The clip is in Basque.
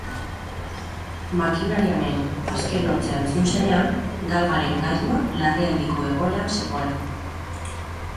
Makinariaren azken hotsa entzun zenean, galgaren gailua larrialdiko egoeran zegoen.